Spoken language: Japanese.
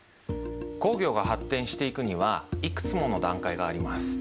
工業が発展していくにはいくつもの段階があります。